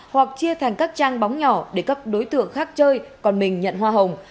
hoặc chia thành các trang bóng nhỏ để các đối tượng khác chơi còn mình nhận hoa hồng